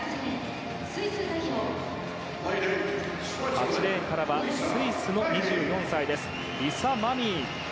８レーンはスイスの２４歳リサ・マミー。